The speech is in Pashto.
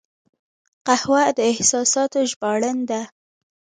قهوه د احساساتو ژباړن ده